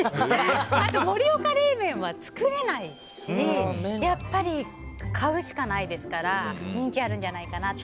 あと盛岡冷麺は作れないしやっぱり、買うしかないですから人気あるんじゃないかなと。